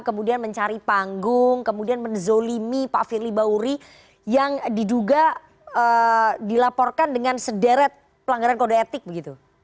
kemudian mencari panggung kemudian menzolimi pak firly bauri yang diduga dilaporkan dengan sederet pelanggaran kode etik begitu